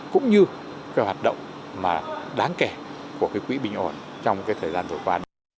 cũng như cái hoạt động mà đáng kể của cái quỹ bình ổn trong cái thời gian vừa qua